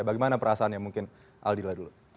bagaimana perasaannya mungkin aldila dulu